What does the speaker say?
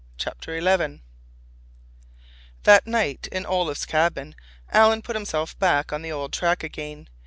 CHAPTER XI That night, in Olaf's cabin, Alan put himself back on the old track again.